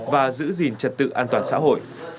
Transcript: và giữ gìn trật tự an toàn xã hội